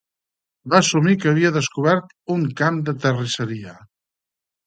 Va assumir que havia descobert un camp de terrisseria.